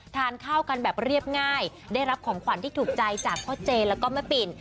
ทานข้าวกันแบบเรียบง่ายได้รับของขวัญที่ถูกใจจากพ่อเจแล้วก็แม่ปิ่น